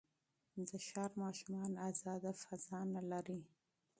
د ښار ماشومان ازاده فضا نه لري.